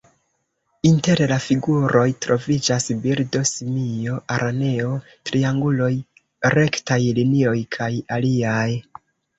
Inter la figuroj troviĝas birdo, simio, araneo, trianguloj, rektaj linioj kaj aliaj.